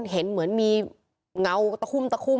เห็นเหมือนมีเงาตะคุ่มตะคุ่ม